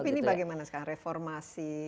tapi ini bagaimana sekarang reformasi